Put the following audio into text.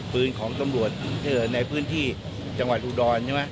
ปืนของตำรวจในพื้นที่จังหวัดอุดรใช่ไหม